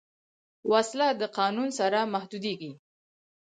وسله د قانون سره محدودېږي